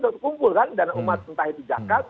terkumpul kan dana umat entah itu zakat